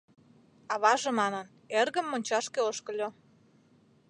Аваже манын: «Эргым мончашке ошкыльо».